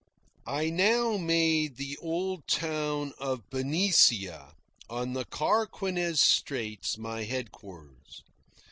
I now made the old town of Benicia, on the Carquinez Straits, my headquarters.